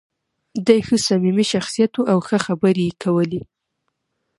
دی ښه صمیمي شخصیت و او ښه خبرې یې کولې.